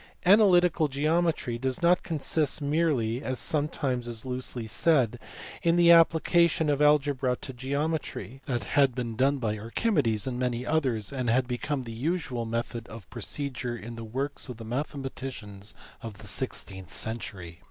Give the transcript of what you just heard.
Analytical geometry does not consist merely (as is some times loosely said) in the application of algebra to geometry : that had been done by Archimedes and many others, and had become the usual method of procedure in the works of the mathematicians of the sixteenth century.